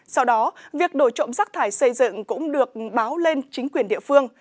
sau đó việc đổi trộm rác thải xây dựng cũng được báo lên chính quyền địa phương